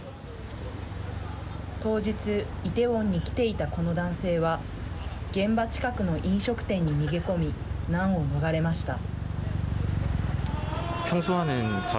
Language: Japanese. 当日、イテウォンに来ていたこの男性は現場近くの飲食店に逃げ込み難を逃れました。